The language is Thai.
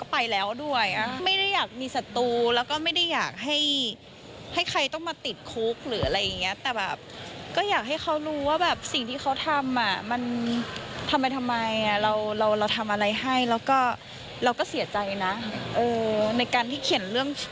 ไปสุดท้ายเลย